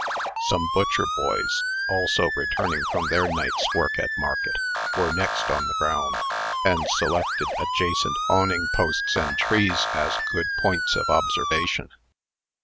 Some butcher boys, also returning from their night's work at market, were next on the ground, and selected adjacent awning posts and trees, as good points of observation.